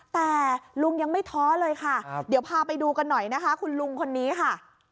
แต่ลุงยังไม่ท้อเลยค่ะเดี๋ยวพาไปดูกันหน่อยนะคะคุณลุงคนนี้ค่ะ